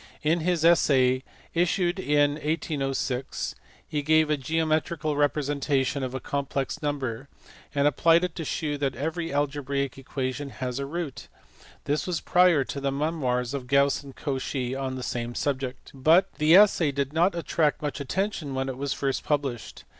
In his Essai, issued in 1806, he gave a geo metrical representation of a complex number, and applied it to shew that every algebraic equation has a root : this was prior to the memoirs of Gauss and Cauchy on the same subject, but the essay did not attract much attention when it was first published.